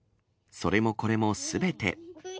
それもこれも、すべて。